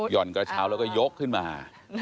่อนกระเช้าแล้วก็ยกขึ้นมา